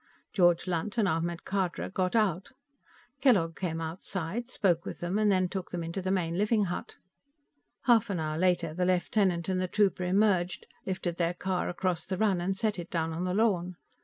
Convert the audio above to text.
George Lunt and Ahmed Khadra got out. Kellogg came outside, spoke with them and then took them into the main living hut. Half an hour later, the lieutenant and the trooper emerged, lifted their car across the run and set it down on the lawn.